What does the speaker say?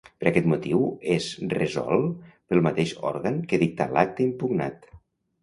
Per aquest motiu, és resolt pel mateix òrgan que dictà l'acte impugnat.